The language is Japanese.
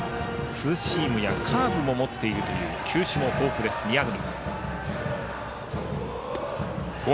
ツーシームやカーブも持っているという球種も豊富な宮國。